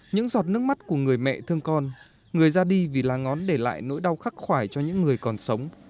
những giọt nước mắt của người mẹ thương con người ra đi vì lá ngón để lại nỗi đau khắc khoải cho những người còn sống